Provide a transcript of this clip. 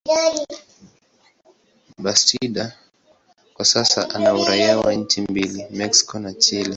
Bastida kwa sasa ana uraia wa nchi mbili, Mexico na Chile.